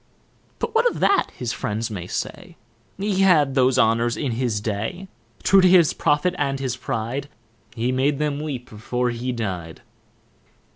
But what of that, his friends may say, He had those honours in his day. True to his profit and his pride, He made them weep before he dy'd.